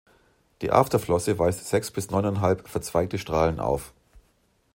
Die Afterflosse weist sechs bis neuneinhalb verzweigte Strahlen auf.